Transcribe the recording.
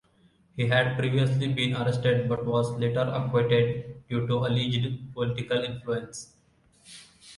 He had previously been arrested but was later acquitted due to alleged political influence.